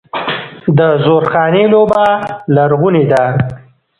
د زورخانې لوبه لرغونې ده.